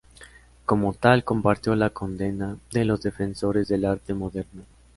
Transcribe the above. Como tal, compartió la condena de los defensores del arte moderno.